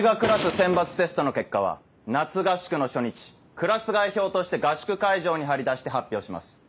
選抜テストの結果は夏合宿の初日クラス替え表として合宿会場に張り出して発表します。